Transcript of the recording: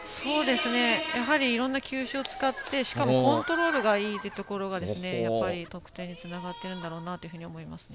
やはりいろんな球種を使ってしかもコントロールがいいというところが得点につながっているんだろうなと思いますね。